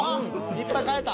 いっぱい買えた。